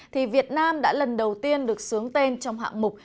thì việt nam đã lần đầu tiên được sướng tên trong hạng mục